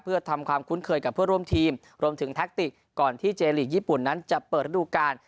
เพื่อทำความคุ้นเคยกับเพื่อร่วมทีมรวมถึงแท็กติกก่อนที่เจลีกญี่ปุ่นนั้นจะเปิดระดูการ